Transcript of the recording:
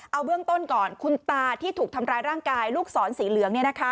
เอาเบื้องต้นก่อนคุณตาที่ถูกทำร้ายร่างกายลูกศรสีเหลือง